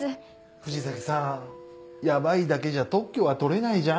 藤崎さん「ヤバい」だけじゃ特許は取れないじゃん？